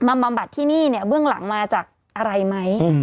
บำบัดที่นี่เนี่ยเบื้องหลังมาจากอะไรไหม